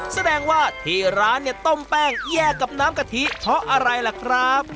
แสดงว่าที่ร้านเนี่ยต้มแป้งแยกกับน้ำกะทิเพราะอะไรล่ะครับ